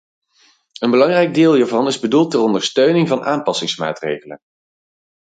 Een belangrijk deel hiervan is bedoeld ter ondersteuning van aanpassingsmaatregelen.